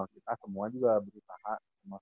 kita semua juga berusaha